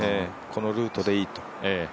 このルートでいいと。